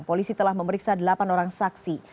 polisi telah memeriksa delapan orang saksi